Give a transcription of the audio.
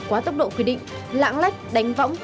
quá tốc độ quy định lãng lách đánh võng